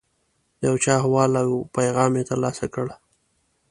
د یو چا احوال او پیغام یې ترلاسه کړ.